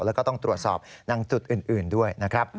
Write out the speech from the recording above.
แล้วก็ต้องตรวจสอบนางจุดอื่นด้วยนะครับ